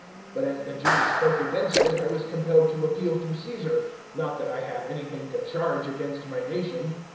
(19)But as the Jews spoke against it, I was compelled to appeal to Caesar; not that I have anything to charge against my nation.